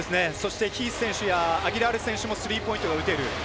そして、ヒース選手やアギラール選手もスリーポイントを打てる。